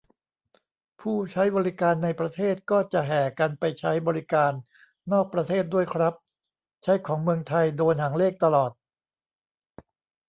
ผู้ใช้บริการในประเทศก็จะแห่กันไปใช้บริการนอกประเทศด้วยครับ ใช้ของเมืองไทย โดนหางเลขตลอด